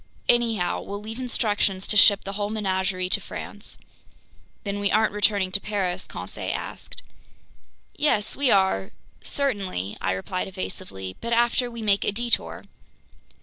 Anyhow, we'll leave instructions to ship the whole menagerie to France." "Then we aren't returning to Paris?" Conseil asked. "Yes, we are ... certainly ...," I replied evasively, "but after we make a detour."